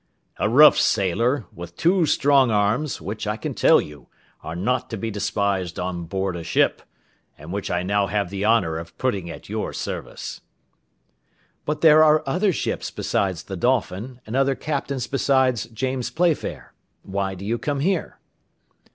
"A rough sailor, with two strong arms, which, I can tell you, are not to be despised on board a ship, and which I now have the honour of putting at your service." "But there are other ships besides the Dolphin, and other captains besides James Playfair. Why do you come here?"